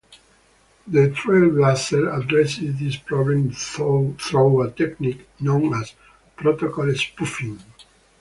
The TrailBlazer addressed this problem through a technique known as "protocol spoofing".